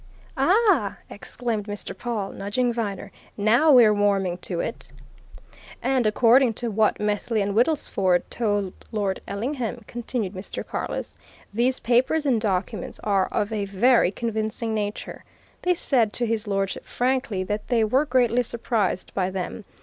"Ah!" exclaimed Mr. Pawle, nudging Viner. "Now we're warming to it!" "And according to what Methley and Woodlesford told Lord Ellingham," continued Mr. Carless, "these papers and documents are of a very convincing nature. They said to His Lordship frankly that they were greatly surprised by them.